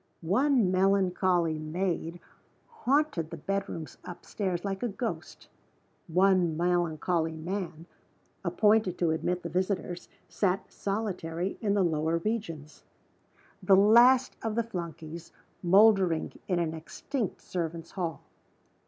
One melancholy maid haunted the bedrooms up stairs, like a ghost. One melancholy man, appointed to admit the visitors, sat solitary in the lower regions the last of the flunkies, mouldering in an extinct servants' hall.